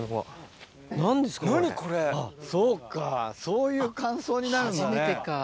そうかそういう感想になるんだね。